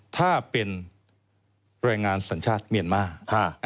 ถ้าเป็นแรงงานสัญชาติเมียนมาร์